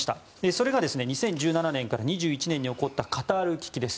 それが、２０１７年から２１年に起こったカタール危機です。